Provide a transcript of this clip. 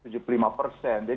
jadi ini memang konsepnya